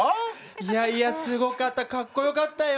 いやいやすごかったかっこよかったよ！